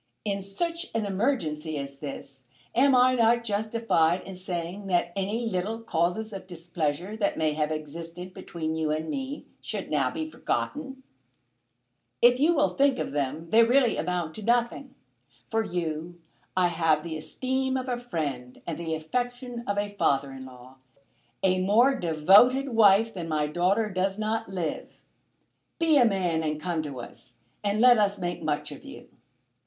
"In such an emergency as this am I not justified in saying that any little causes of displeasure that may have existed between you and me should now be forgotten? If you will think of them they really amount to nothing. For you I have the esteem of a friend and the affection of a father in law. A more devoted wife than my daughter does not live. Be a man and come to us, and let us make much of you.